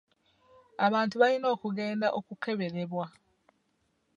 Abantu balina okugenda okukeberebwa.